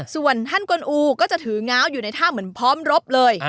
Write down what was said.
ส่วนท่านกลอูก็จะถือง้าวอยู่ในท่าเหมือนพร้อมรบเลย